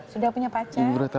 sudah punya pacar